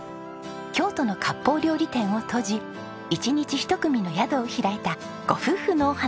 京都の割烹料理店を閉じ一日一組の宿を開いたご夫婦のお話。